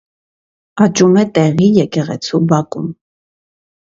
Աճում է տեղի եկեղեցու բակում։